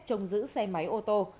trông giữ xe máy ô tô